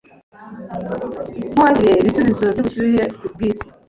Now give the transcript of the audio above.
nkuwakiriye Ibisubizo byubushyuhe bwisi